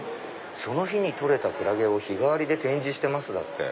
その日に取れたクラゲを日替わりで展示してますだって。